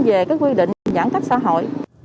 về cái quy định giãn cách xã hội